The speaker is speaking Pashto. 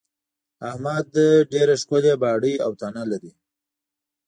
احمد ډېره ښکلې باډۍ او تنه لري.